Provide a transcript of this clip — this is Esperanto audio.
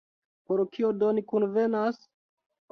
Por kio do ni kunvenas?